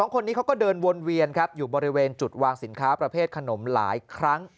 คนนี้เขาก็เดินวนเวียนครับอยู่บริเวณจุดวางสินค้าประเภทขนมหลายครั้ง